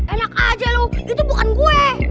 enak aja lobby itu bukan gue